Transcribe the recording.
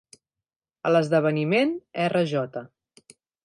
A l'esdeveniment, R. J.